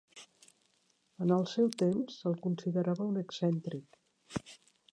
En el seu temps se'l considerava un excèntric.